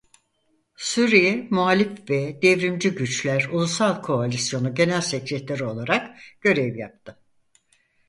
Suriye Muhalif ve Devrimci Güçler Ulusal Koalisyonu Genel Sekreteri olarak görev yaptı.